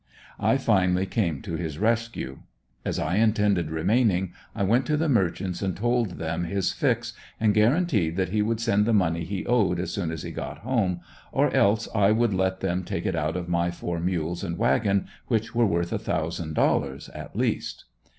I finally came to his rescue. As I intended remaining, I went to the merchants and told them his fix and guaranteed that he would send the money he owed as soon as he got home, or else I would let them take it out of my four mules and wagon, which were worth a thousand dollars at least.